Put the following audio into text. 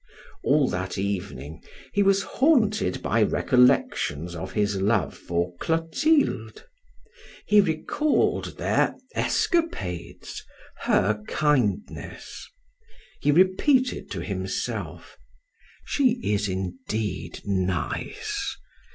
All that evening he was haunted by recollections of his love for Clotilde; he recalled their escapades, her kindness. He repeated to himself: "She is indeed nice.